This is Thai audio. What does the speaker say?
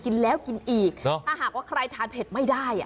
กินแล้วกินอีกถ้าหากว่าใครทานเผ็ดไม่ได้อ่ะ